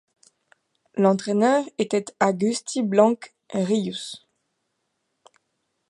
L'entraineur était Agustí Blanch “Rius”.